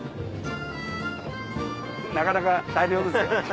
なかなか大漁ですよ。